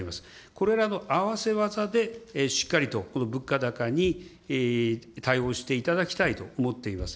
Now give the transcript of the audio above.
これらのあわせ技でしっかりとこの物価高に対応していただきたいと思っています。